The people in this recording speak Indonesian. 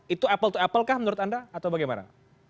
itu apple to apple kah menurut anda atau bagaimana